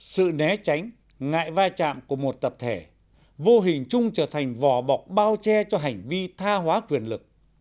sự né tránh ngại va chạm của một tập thể vô hình chung trở thành vò bọc bao che cho hành vi tha hóa quyền lực